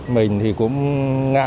mình thì cũng ngại